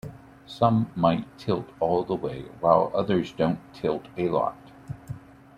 Some might tilt all the way while others don't tilt a lot.